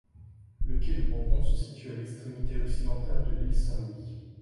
Le quai de Bourbon se situe à l'extrémité occidentale de l'île Saint-Louis.